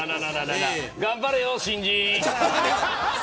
頑張れよ新人。